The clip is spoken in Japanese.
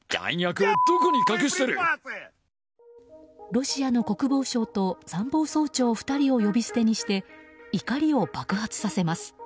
ロシアの国防相と参謀総長２人を呼び捨てにして怒りを爆発させます。